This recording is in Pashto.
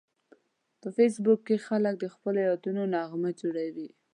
په فېسبوک کې خلک د خپلو یادونو نغمه جوړوي